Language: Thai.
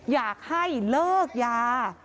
อยากให้เลิกยา